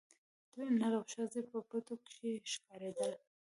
نر او ښځي په پټو کښي ښکارېدل